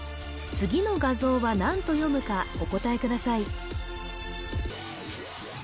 次の画像は何と読むかお答えください